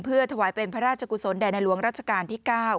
เพื่อถวายเป็นพระราชกุศลแด่ในหลวงรัชกาลที่๙